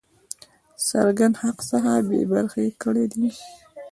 څرګند حق څخه بې برخي کړی دی.